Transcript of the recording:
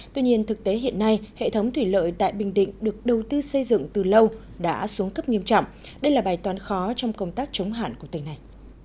tuy nhiên thực tế hiện nay hệ thống thủy lợi tại bình định được đầu tư xây dựng từ lâu đã xuống cấp nghiêm trọng đây là bài toán khó trong công tác chống hạn của tỉnh này